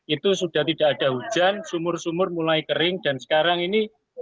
itu sudah tidak ada hujan sumur sumur mulai kering dan sekarang ini